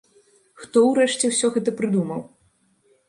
Хто, урэшце, усё гэта прыдумаў?